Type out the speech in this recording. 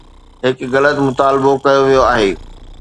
هڪ غلط مطالبو ڪيو ويو آهي